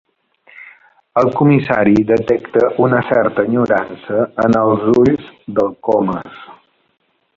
El comissari detecta una certa enyorança en els ulls del Comas.